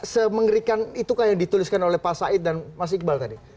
semengerikan itukah yang dituliskan oleh pak said dan mas iqbal tadi